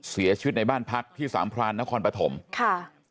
เสียชีวิตในบ้านพักที่สามพรานนครปฐมค่ะ